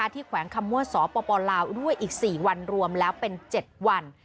แขวงคำมั่วสปลาวด้วยอีก๔วันรวมแล้วเป็น๗วัน